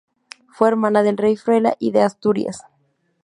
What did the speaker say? Fue hermana del rey Fruela I de Asturias.